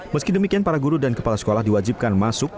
meski demikian para guru dan kepala sekolah diwajibkan masuk